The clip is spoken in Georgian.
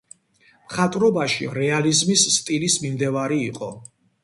მხატვრობაში რეალიზმის სტილის მიმდევარი იყო.